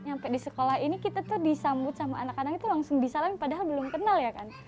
sampai di sekolah ini kita tuh disambut sama anak anak itu langsung disalam padahal belum kenal ya kan